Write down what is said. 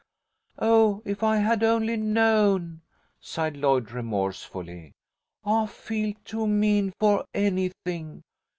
"Oh, if I had only known!" sighed Lloyd, remorsefully. "I feel too mean for anything!